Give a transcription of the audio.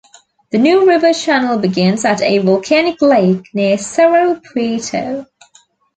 The New River channel begins at a volcanic lake, near Cerro Prieto.